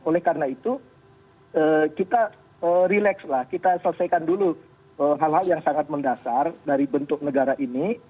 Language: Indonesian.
oleh karena itu kita relax lah kita selesaikan dulu hal hal yang sangat mendasar dari bentuk negara ini